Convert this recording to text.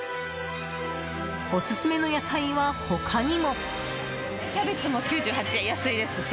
オススメの野菜は他にも。